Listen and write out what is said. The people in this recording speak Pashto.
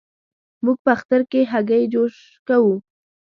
موږ په اختر کې هګی جوش کوو.